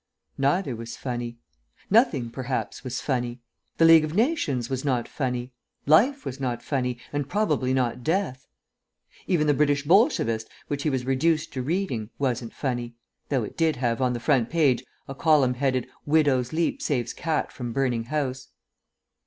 Neither was funny. Nothing, perhaps, was funny. The League of Nations was not funny. Life was not funny, and probably not death. Even the British Bolshevist, which he was reduced to reading, wasn't funny, though it did have on the front page a column headed "Widow's Leap Saves Cat from Burning House."